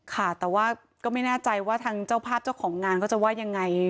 ค่ะแต่ว่าก็ไม่แน่ใจว่าทางเจ้าภาพเจ้าของงานเขาจะว่ายังไง